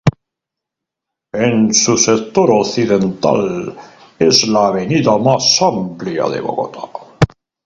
En su sector occidental es la avenida más amplia de Bogotá.